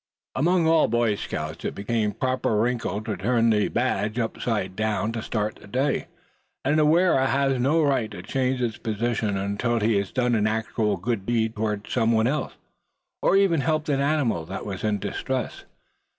Among all Boy Scouts, it has become the proper wrinkle to turn the badge upside down to start the day; and the wearer has no right to change its position until he has done an actual good deed toward some one else; or even helped an animal that was in distress.